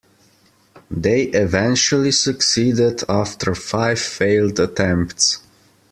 They eventually succeeded after five failed attempts